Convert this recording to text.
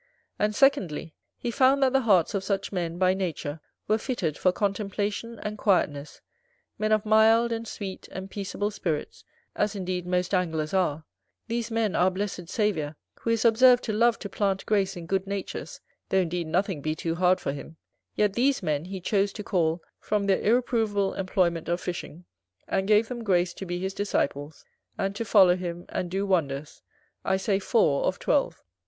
And secondly, he found that the hearts of such men, by nature, were fitted for contemplation and quietness; men of mild, and sweet, and peaceable spirits, as indeed most Anglers are: these men our blessed Saviour, who is observed to love to plant grace in good natures, though indeed nothing be too hard for him, yet these men he chose to call from their irreprovable employment of fishing, and gave them grace to be his disciples, and to follow him, and do wonders; I say four of twelve.